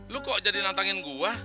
lo kok jadi nantangin gua